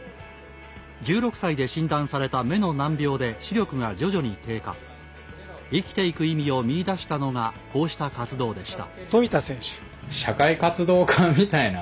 １６歳で診断された目の難病で視力が徐々に低下生きていく意味を見いだしたのがこうした活動でした。